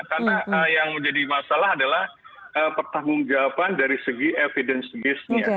karena yang menjadi masalah adalah pertanggung jawaban dari segi evidence based nya